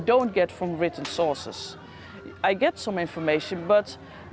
bagaimana dia seperti orang